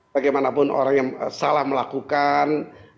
bagaimanapun orang yang salah melakukan